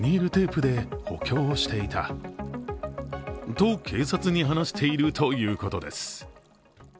と、警察に話しているということです。